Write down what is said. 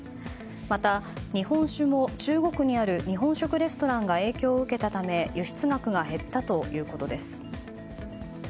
また日本酒も中国にある日本食レストランが影響を受けたため輸出額が減ったということです。